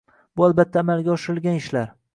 bu albatta amalga oshirilgan ishlar